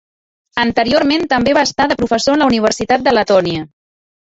Anteriorment també va estar de professor en la Universitat de Letònia.